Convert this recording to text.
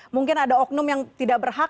mungkin ada oknum yang tidak berhak